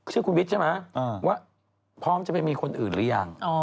ชื่อคุณวิทย์ใช่ไหมว่าพร้อมจะไปมีคนอื่นหรือยัง